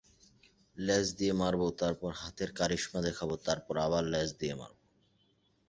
লেজ দিয়ে মারব, তারপর হাতের কারিশমা দেখাব, তারপর আবার লেজ দিয়ে মারব।